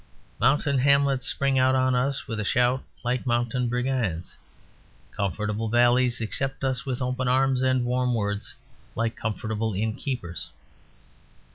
Mountain hamlets spring out on us with a shout like mountain brigands. Comfortable valleys accept us with open arms and warm words, like comfortable innkeepers.